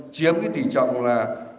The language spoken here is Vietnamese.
chiếm cái tỉ trọng là bốn mươi sáu năm mươi năm